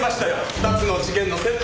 ２つの事件の接点！